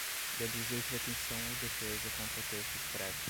deduzir pretensão ou defesa contra texto expresso